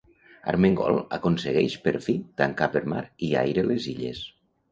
Armengol aconsegueix per fi tancar per mar i aire les Illes.